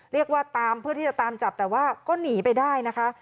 เรียกว่าตามเพื่อที่จะตามจับแต่ว่าก็หนีไปได้นะคะ